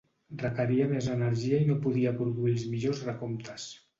Requeria més energia i no podia produir els millors recomptes.